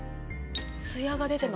ツヤが出てます。